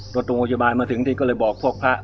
โรงพยาบาลมาถึงที่ก็เลยบอกพวกพระ